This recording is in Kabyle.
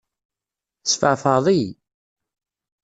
Tesfeεfεeḍ-iyi!